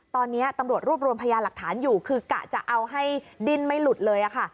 ตอนนี้ตำรวจรวบรวมพยานหลักฐานอยู่คือกะจะเอาให้ดิ้นไม่หลุดเลยค่ะ